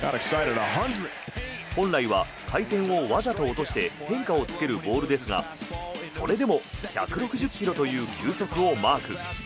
本来は回転をわざと落として変化をつけるボールですがそれでも１６０ｋｍという球速をマーク。